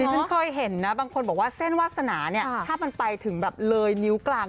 ฉันเคยเห็นนะบางคนบอกว่าเส้นวาสนาเนี่ยถ้ามันไปถึงแบบเลยนิ้วกลาง